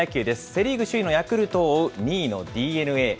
セ・リーグ首位のヤクルトを追う２位のＤｅＮＡ。